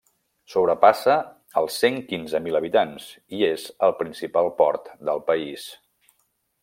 Sobrepassa els cent quinze mil habitants, i és el principal port del país.